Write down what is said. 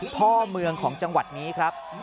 พ่อเมืองของจังหวัดนี้ครับ